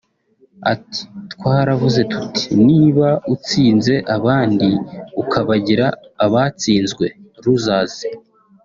Ati Twaravuze tuti niba utsinze abandi ukabagira abatsinzwe (losers)